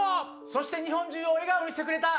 そして日本中を笑顔にしてくれた。